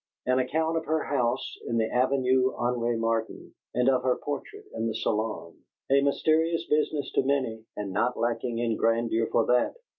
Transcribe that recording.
An account of her house in the Avenue Henri Martin, and of her portrait in the Salon a mysterious business to many, and not lacking in grandeur for that!